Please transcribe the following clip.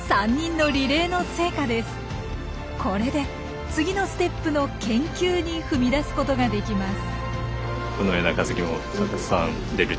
これで次のステップの研究に踏み出すことができます。